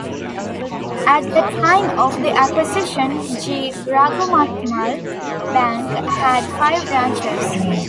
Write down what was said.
At the time of the acquisition G. Raghumathmul Bank had five branches.